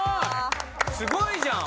すごいじゃん！